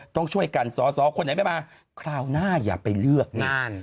ต้องช่วยกันสอสอคนไหนไม่มาคราวหน้าอย่าไปเลือกนี่